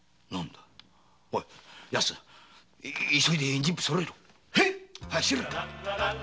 急いで人数そろえろ！